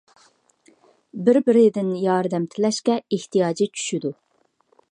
بىر - بىرىدىن ياردەم تىلەشكە ئېھتىياجى چۈشىدۇ.